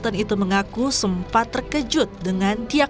tapi yang paling penting